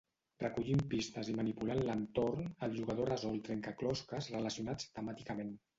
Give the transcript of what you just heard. Recollint pistes i manipulant l'entorn, el jugador resol trencaclosques relacionats temàticament.